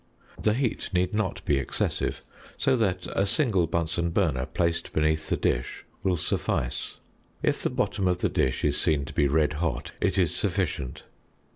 The heat need not be excessive, so that a single Bunsen burner placed beneath the dish will suffice; if the bottom of the dish is seen to be red hot, it is sufficient.